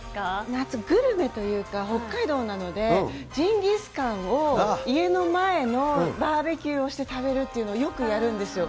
夏グルメというか、北海道なので、ジンギスカンを家の前のバーベキューをして食べるっていうのをよくやるんですよ。